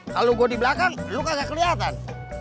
kalo gua di belakang lu kagak keliatan